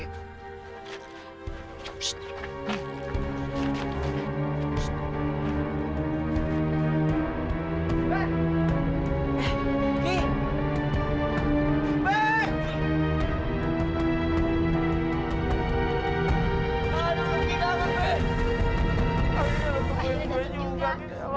astaga temen temen juga buki